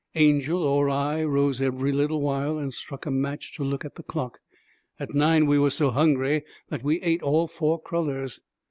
Angel or I rose every little while and struck a match to look at the clock. At nine we were so hungry that we ate all four crullers.